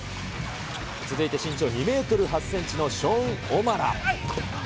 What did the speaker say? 続いて身長２メートル８センチのショーン・オマラ。